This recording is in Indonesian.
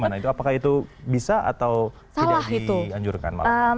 itu gimana apakah itu bisa atau tidak dianjurkan malah